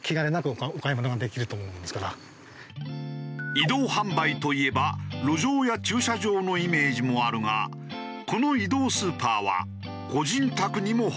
移動販売といえば路上や駐車場のイメージもあるがこの移動スーパーは個人宅にも訪問。